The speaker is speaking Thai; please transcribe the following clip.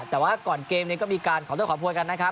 แต่ว่าก่อนเกมเนี่ยก็มีการขอโทษขอโพยกันนะครับ